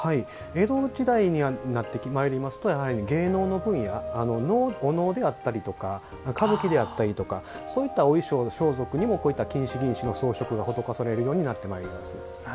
江戸時代になってまいりますと芸能の分野、お能であったりとか歌舞伎であったりとかそういうお衣装、装束にもこういった金糸、銀糸の装飾が施されるようになっています。